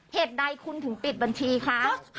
เหตุใดคุณถึงปิดบัญชีคะ